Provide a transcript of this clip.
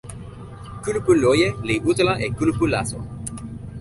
kulupu loje li utala e kulupu laso.